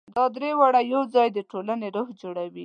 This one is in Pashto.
دا درې واړه یو ځای د ټولنې روح جوړوي.